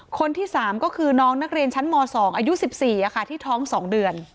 คนที่๓ก็คือน้องนักเรียนชั้นม๒อายุ๑๔ที่ท้อง๒เดือน